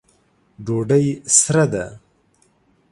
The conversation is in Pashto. ډوډۍ سره ده